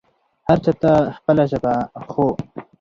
هر چا ته خپله ژبه خو